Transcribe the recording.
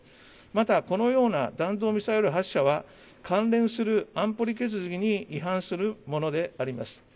またこのような弾道ミサイル発射は、関連する安保理決議に違反するものであります。